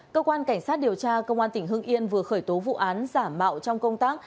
cơ quan cảnh sát điều tra công an tỉnh hưng yên vừa khởi tố vụ án giả mạo trong công tác